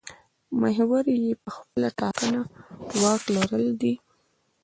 محور یې پر خپله ټاکنه واک لرل دي.